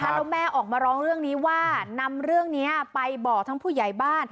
แล้วแม่ออกมาร้องเรื่องนี้ว่านำเรื่องนี้ไปบอกทั้งผู้ใหญ่บ้าน